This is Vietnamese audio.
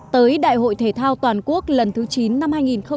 tới đại hội thể thao toàn quốc lần thứ chín năm hai nghìn hai mươi